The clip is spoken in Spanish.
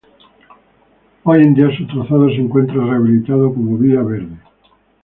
Hoy en día su trazado se encuentra rehabilitado como vía verde.